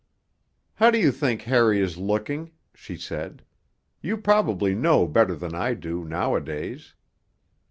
'How do you think Harry is looking?' she said. 'You probably know better than I do, nowadays.'